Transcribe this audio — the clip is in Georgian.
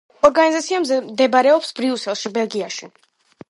ორგანიზაცია მდებარეობს ბრიუსელში, ბელგიაში.